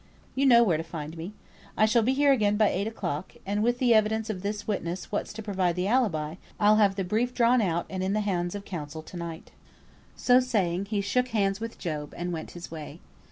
You know where to find me. I shall be here again by eight o'clock, and with the evidence of this witness that's to prove the alibi, I'll have the brief drawn out, and in the hands of counsel to night." So saying he shook hands with Job, and went his way.